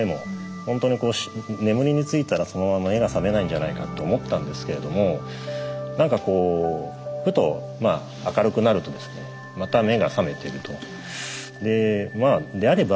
ほんとに眠りについたらそのまま目が覚めないんじゃないかって思ったんですけれどもなんかこうふと明るくなるとですねまた目が覚めていると。